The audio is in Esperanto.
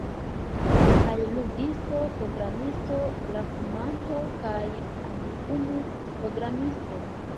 Kaj ludisto, programisto, brakumanto kaj Amikum-programisto